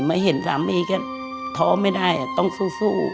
มาเห็นสามีก็ท้อไม่ได้ต้องสู้